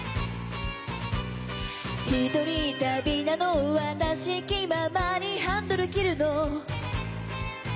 「ひとり旅なの私気ままにハンドル切るの」